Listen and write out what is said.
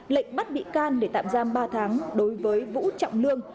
lệnh bắt bị can để tạm giam ba tháng đối với vũ trọng lương